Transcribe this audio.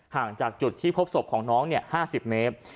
ห่างจากจุดที่พบศพของน้อง๕๐เมตร